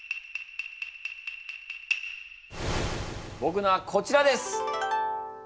ぼくのはこちらです！